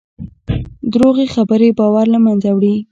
دروغې خبرې باور له منځه وړي.